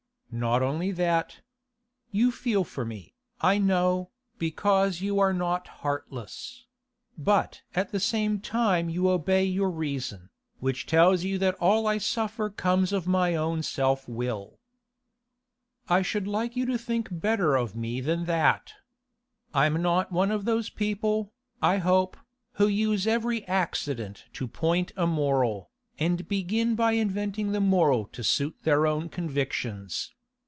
'Not only that. You feel for me, I know, because you are not heartless; but at the same time you obey your reason, which tells you that all I suffer comes of my own self will.' 'I should like you to think better of me than that. I'm not one of those people, I hope, who use every accident to point a moral, and begin by inventing the moral to suit their own convictions.